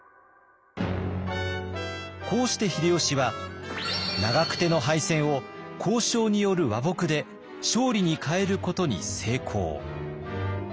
こうして秀吉は長久手の敗戦を交渉による和睦で勝利に変えることに成功。